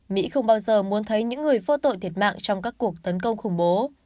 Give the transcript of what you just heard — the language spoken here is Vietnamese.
mỹ không bao giờ muốn thấy những người vô tội thiệt mạng trong các cuộc tấn công khủng bố